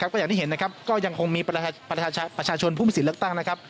อย่างที่เห็นก็ยังคงมีประชาชนผู้มีสิทธิ์เลือกตั้ง